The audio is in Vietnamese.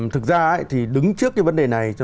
thực ra đứng trước vấn đề này